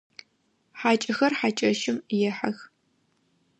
Хьакӏэхэр хьакӏэщым ехьэх.